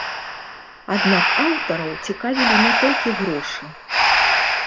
Аднак аўтараў цікавалі не толькі грошы.